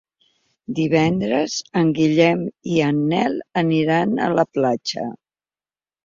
Divendres en Guillem i en Nel aniran a la platja.